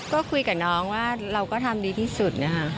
ก็คุยกับน้องว่าเราก็ทำดีที่สุดนะคะ